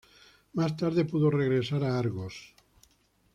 Más tarde pudo regresar a Argos.